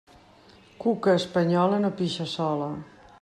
Cuca espanyola no pixa sola.